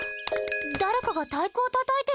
誰かが太鼓をたたいてるんだわ。